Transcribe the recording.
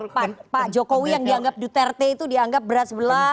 dan pak jokowi yang dianggap duterte itu dianggap berat sebelah